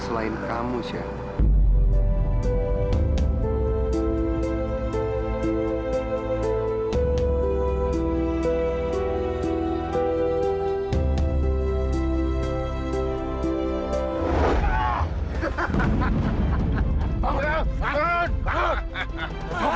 biarin satu orang pun nyakitin kamu